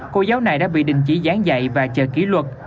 cô giáo này đã bị đình chỉ gián dạy và chờ kỹ luật